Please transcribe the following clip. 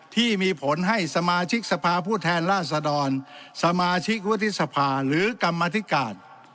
ที่มีผลให้สมาชิกสภาผู้แทนราษดรสมาชิกวุฒิสภาหรือกรรมธิการ